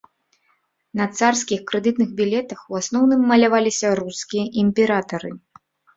На царскіх крэдытных білетах у асноўным маляваліся рускія імператары.